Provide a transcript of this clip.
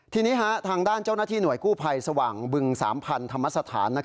ทีนี้ทางด้านเจ้าหน้าที่หน่วยกู้ภัยสว่างบึง๓๐๐ธรรมสถาน